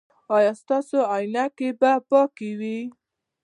ایا ستاسو عینکې به پاکې وي؟